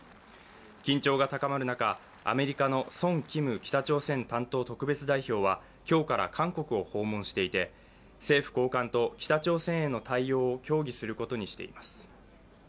緊張が高まる中、アメリカのソン・キム北朝鮮担当特別代表は今日から韓国を訪問していて、政府高官と北朝鮮への対応を協議することにしています。